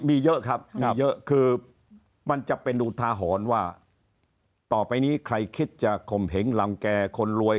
มีเยอะครับมีเยอะคือมันจะเป็นอุทาหรณ์ว่าต่อไปนี้ใครคิดจะข่มเหงรังแก่คนรวย